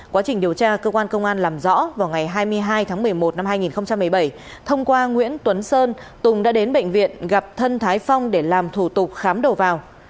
quá trình điều tra cơ quan công an làm rõ vào ngày hai mươi hai tháng một mươi một năm hai nghìn một mươi bảy thông qua nguyễn tuấn sơn tùng đã đến bệnh viện gặp thân thái phong để làm thủ tục khám đầu vào